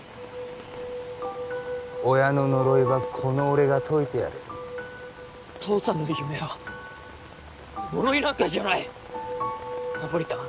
親の呪いはこの俺が解いてやる父さんの夢は呪いなんかじゃないナポリタン